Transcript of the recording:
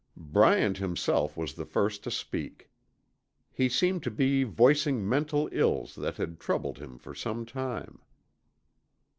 Bryant himself was the first to speak. He seemed to be voicing mental ills that had troubled him for some time.